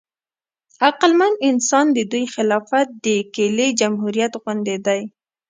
عقلمن انسان د دوی خلاف د کیلې جمهوریت غوندې دی.